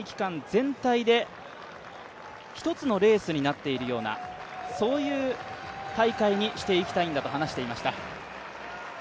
全体で１つのレースになっているような、そういう大会にしていきたいんだと話していました。